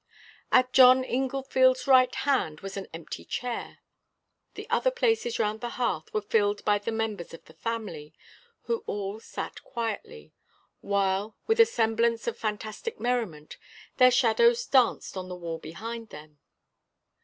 At John Inglefield's right hand was an empty chair. The other places round the hearth were filled by the members of the family, who all sat quietly, while, with a semblance of fantastic merriment, their shadows danced on the wall behind them.